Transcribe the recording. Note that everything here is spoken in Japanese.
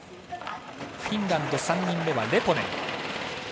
フィンランド３人目はレポネン。